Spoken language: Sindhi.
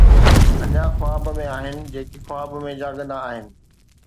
اڃا خواب ۾ آهن، جيڪي خواب ۾ جاڳندا آهن